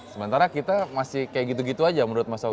sementara kita masih kayak gitu gitu aja menurut mas sawi